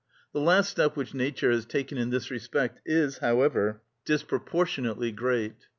The last step which nature has taken in this respect is, however, disproportionately great.